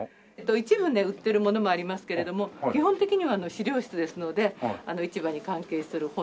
一部ね売ってるものもありますけれども基本的には資料室ですので市場に関係する本とか。